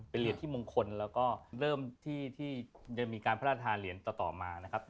เป็นเหรียญที่มงคลแล้วก็เริ่มที่จะมีการพระราชทานเหรียญต่อมานะครับ